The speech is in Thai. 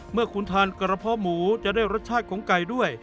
เมื่อคุณทานกระเพาะหมูจะได้รสชาติของไก่ด้วย